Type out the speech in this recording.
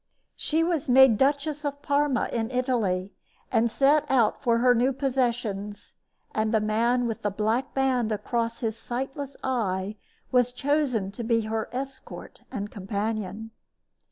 She was made Duchess of Parma in Italy, and set out for her new possessions; and the man with the black band across his sightless eye was chosen to be her escort and companion.